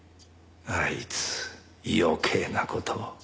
あいつ余計な事を。